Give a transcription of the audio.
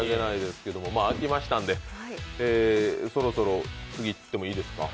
まあ、開きましたんで、そろそろ次いってもいいですか？